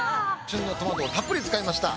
旬のトマトをたっぷり使いました